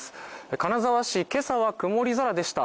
金沢市、今朝は曇り空でした。